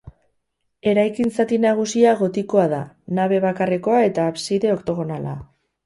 Eraikin zati nagusia gotikoa da; nabe bakarrekoa eta abside oktogonala.